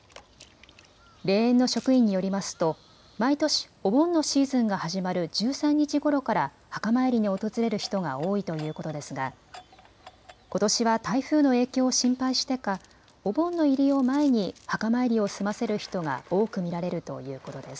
霊園の職員によりますと毎年、お盆のシーズンが始まる１３日ごろから墓参りに訪れる人が多いということですがことしは台風の影響を心配してかお盆の入りを前に墓参りを済ませる人が多く見られるということです。